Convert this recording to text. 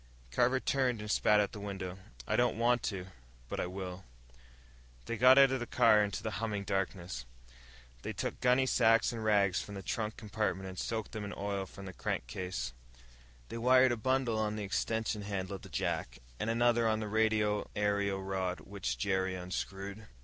Carver turned and spat out the window. "I don't want to, but I will." They got out of the car, into the humming darkness. They took gunny sacks and rags from the trunk compartment and soaked them in oil from the crankcase. They wired a bundle on the extension handle of the jack, and another on the radio aerial rod which Jerry unscrewed.